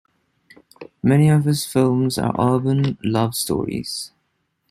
Many of his films are urban love stories.